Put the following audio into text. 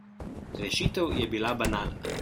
Rešitev je bila banalna.